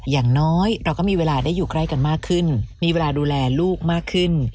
อย่างน้อยเราก็มีเวลาได้อยู่ใกล้กันมากขึ้นมีเวลาดูแลลูกมากขึ้น